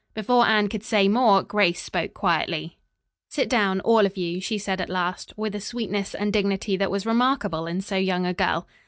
Before Anne could say more, Grace spoke quietly. "Sit down, all of you," she said at last, with a sweetness and dignity that was remarkable in so young a girl.